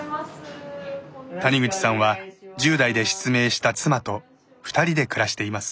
谷口さんは１０代で失明した妻と２人で暮らしています。